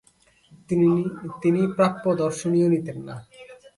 তিনি প্রাপ্য দর্শনীও নিতেন না।